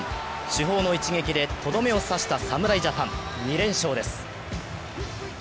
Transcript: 主砲の一撃でとどめを刺した侍ジャパンが２連勝です。